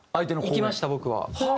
行きました僕は。